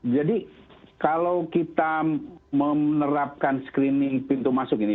jadi kalau kita menerapkan screening pintu masuk ini